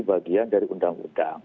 bagian dari undang undang